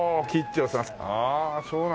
あそうなんだ。